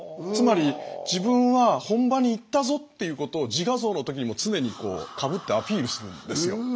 つまり自分は本場に行ったぞっていうことを自画像の時にも常にかぶってアピールするんですよ。